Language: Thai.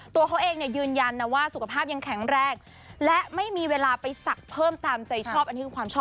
ตัวเขาเองยืนยันว่าสุขภาพยังแข็งแรกและไม่มีเวลาไปสักเพิ่มตามใจชอบอันนี้คือความชอบส่วนตัวของเขา